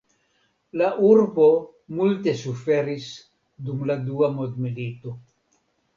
La urbo multe suferis dum la Dua Mondmilito.